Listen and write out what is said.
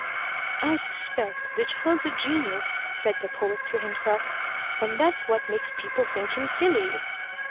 "I suspect the child's a genius," said the poet to himself, "and that's what makes people think him silly."